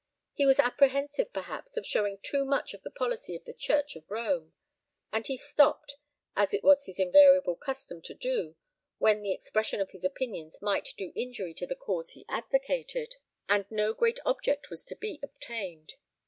He was apprehensive, perhaps, of showing too much of the policy of the church of Rome; and he stopped, as it was his invariable custom to do when the expression of his opinions might do injury to the cause he advocated, and no great object was to be obtained.